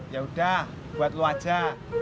yaudah buat lu aja